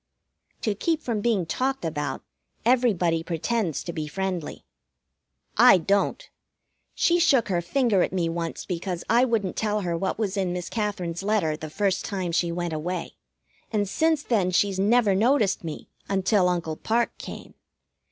To keep from being talked about, everybody pretends to be friendly. I don't. She shook her finger at me once because I wouldn't tell her what was in Miss Katherine's letter the first time she went away, and since then she's never noticed me until Uncle Parke came.